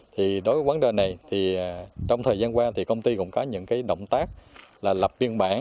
đối với vấn đề này trong thời gian qua công ty cũng có những động tác là lập biên bản